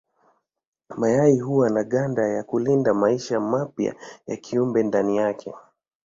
Mayai huwa na ganda ya kulinda maisha mapya ya kiumbe ndani yake.